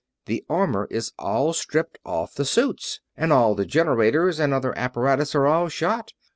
The armor is all stripped off the suits, and all the generators and other apparatus are all shot.